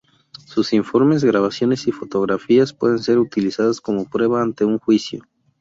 Sus informes, grabaciones, y fotografías, pueden ser utilizadas como prueba ante un juicio.